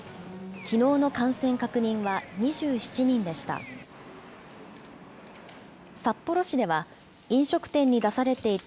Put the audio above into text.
きのうの感染確認は２７人でした。